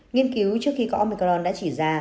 nghiên cứu trước khi có omicron đã chỉ ra